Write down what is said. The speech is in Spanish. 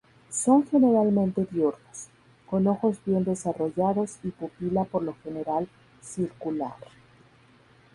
Son generalmente diurnos, con ojos bien desarrollados y pupila por lo general circular.